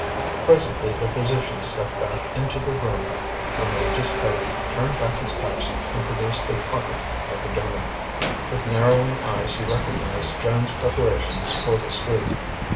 Presently the physician stepped back into the room, removed his coat, turned back his cuffs, and produced a pocket hypodermic. With narrowing eyes he recognized Joan's preparations for the street.